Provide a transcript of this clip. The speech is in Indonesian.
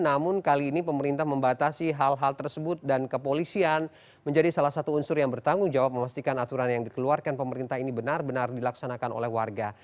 namun kali ini pemerintah membatasi hal hal tersebut dan kepolisian menjadi salah satu unsur yang bertanggung jawab memastikan aturan yang dikeluarkan pemerintah ini benar benar dilaksanakan oleh warga